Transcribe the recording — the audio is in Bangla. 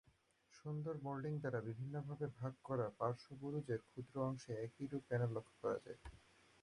সুন্দর মোল্ডিং দ্বারা বিভিন্নভাগে ভাগ করা পার্শ্ববুরুজের ক্ষুদ্র অংশে একইরূপ প্যানেল লক্ষ্য করা যায়।